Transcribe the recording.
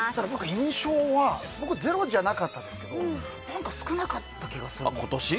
印象は僕、ゼロじゃなかったんですけど少なかった気がするんです。